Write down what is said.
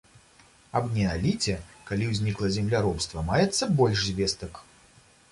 Аб неаліце, калі ўзнікла земляробства, маецца больш звестак.